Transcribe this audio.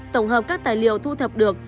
tổng hợp các tài liệu thu thập được